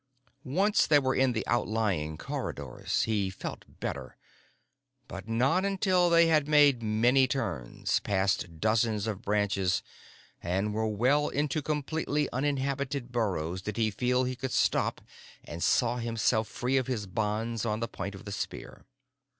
Once they were in the outlying corridors, he felt better. But not until they had made many turns, passed dozens of branches and were well into completely uninhabited burrows, did he feel he could stop and saw himself free of his bonds on the point of the spear.